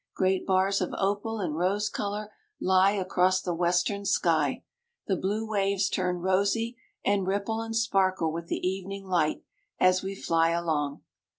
Great bars of opal and rose color lie across the western sky: the blue waves turn rosy, and ripple and sparkle with the evening light, as we fly along.